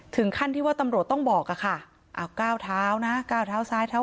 ถึงขั้นที่ว่าตำรวจต้องบอกอะค่ะอ้าวก้าวเท้านะก้าวเท้าซ้ายเท้า